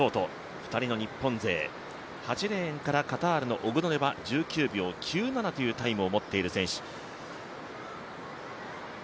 ２人の日本勢８レーンからカタールのオグノデ１９秒９７というタイムを持っている選手。